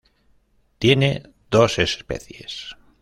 Tiene dos especies.